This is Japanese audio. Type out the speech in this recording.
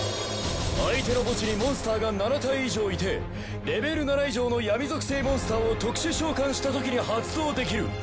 相手の墓地にモンスターが７体以上いてレベル７以上の闇属性モンスターを特殊召喚したときに発動できる。